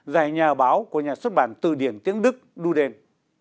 giải nhà báo của nhà xuất bản từ điển tiếng đức duden